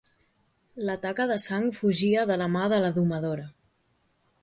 La taca de sang fugia de la mà de la domadora;